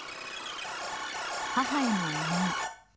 母への思い。